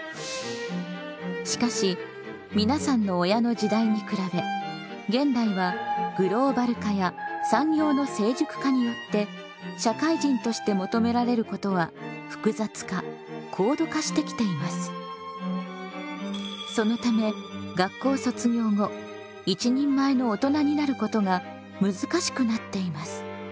しかし皆さんの親の時代に比べ現代はグローバル化や産業の成熟化によって社会人として求められることは複雑化高度化してきています。そのため学校卒業後「一人前の大人」になることが難しくなっています。